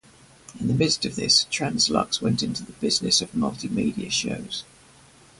In the midst of this, Trans-Lux went into the business of multimedia shows.